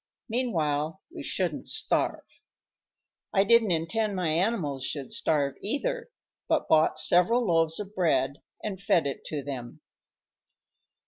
Meanwhile we shouldn't starve. I didn't intend my animals should starve, either, but bought several loaves of bread and fed it to them.